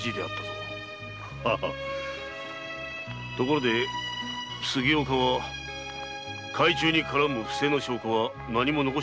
ところで杉岡は改鋳に絡む不正の証拠は何も残してないか？